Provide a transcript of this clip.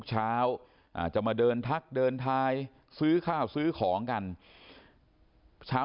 คนกล่าวโชคไม่รู้ง่ายก็มีก็ขอให้เขารู้แค่นั้นเอง